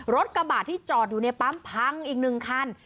กระบาดที่จอดอยู่ในปั๊มพังอีก๑คัน